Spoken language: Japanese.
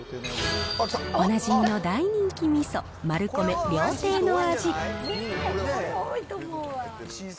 おなじみの大人気みそ、マルコメ、料亭の味。